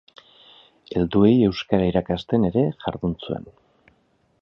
Helduei euskara irakasten ere jardun zuen.